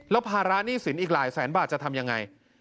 แล้วภาระหนี้สินอีกหลายแสนบาทจะทำยังไง